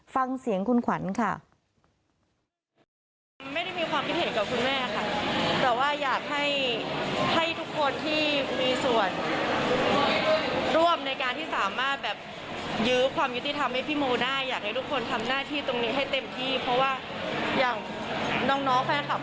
ฟังเสียงคุณขวัญค่ะ